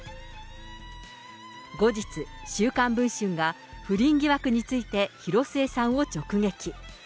後日、週刊文春が不倫疑惑について、広末さんを直撃。